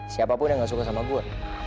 siapapun yang gak suka sama gue